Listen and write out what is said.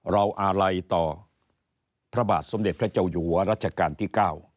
เราอาลัยต่อพระบาทสมเด็จพระเจ้าอยู่หัวรัชกาลที่๙